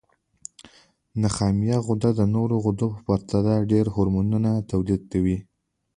نخامیه غده د نورو غدو په پرتله ډېر هورمونونه تولیدوي.